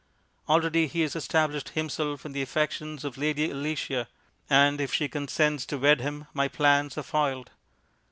Already he has established himself in the affections of Lady Alicia, and if she consents to wed him my plans are foiled.